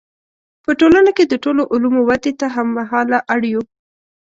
په ټولنه کې د ټولو علومو ودې ته هم مهاله اړ یو.